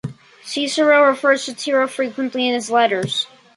Cicero refers to Tiro frequently in his letters.